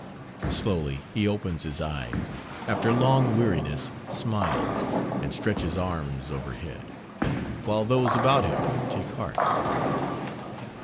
Slowly he opens his eyes, After long weariness, smiles, And stretches arms overhead, While those about him take heart.